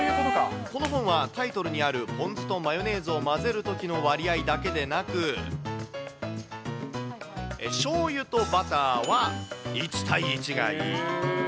この本はタイトルにあるポン酢とマヨネーズを混ぜるときの割合だけでなく、しょうゆとバターは１対１がいい。